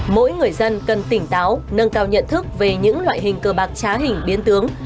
mỗi người dân cần tỉnh táo nâng cao nhận thức về những loại hình cờ bạc trá hình biến tướng